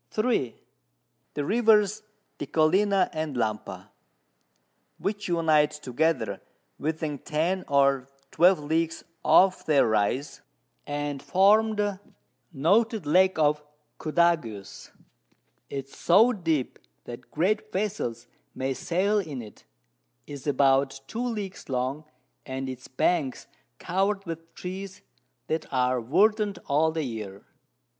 3. The Rivers Decollina and Lampa, which unite together within 10 or 12 Leagues off their Rise, and form the noted Lake of Cudagues. It is so deep, that great Vessels may sail in it, is about 2 Leagues long, and its Banks cover'd with Trees that are verdant all the Year.